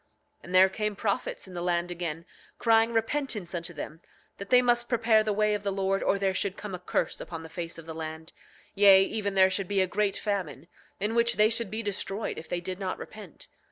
9:28 And there came prophets in the land again, crying repentance unto them—that they must prepare the way of the Lord or there should come a curse upon the face of the land; yea, even there should be a great famine, in which they should be destroyed if they did not repent.